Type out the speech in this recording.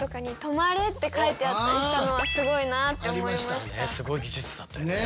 私はすごい技術だったよね。